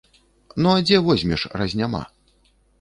Ну, а дзе возьмеш, раз няма.